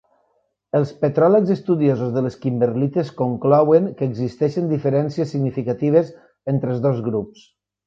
Els petròlegs estudiosos de les kimberlites conclouen que existeixen diferències significatives entre els dos grups.